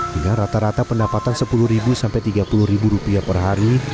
hingga rata rata pendapatan sepuluh ribu sampai tiga puluh ribu rupiah per hari